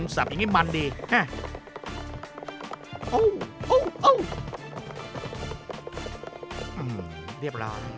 สับอย่างงี้มันดี